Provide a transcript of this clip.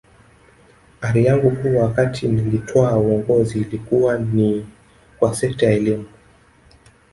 Ari yangu kuu wakati nilitwaa uongozi ilikuwa ni kwa sekta ya elimu